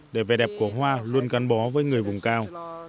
để vẻ đẹp của hoa luôn gắn bó với người vùng cao